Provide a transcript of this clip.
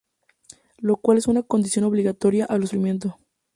Lo cual es una condición obligatoria a los fines de cumplimiento.